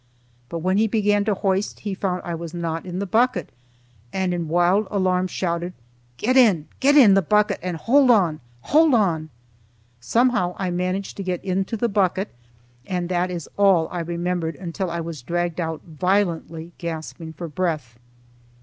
But when he began to hoist he found I was not in the bucket and in wild alarm shouted, "Get in! Get in the bucket and hold on! Hold on!" Somehow I managed to get into the bucket, and that is all I remembered until I was dragged out, violently gasping for breath.